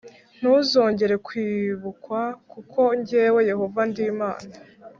Ntuzongera kwibukwa kuko jyewe yehova ndimana